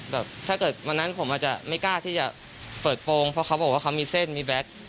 แบบถ้าเกิดวันนั้นผมอาจจะไม่กล้าที่จะเปิดโปรงเพราะเขาบอกว่าเขามีเส้นมีแบ็ค